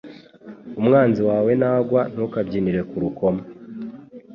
Umwanzi wawe nagwa ntukabyinire ku rukoma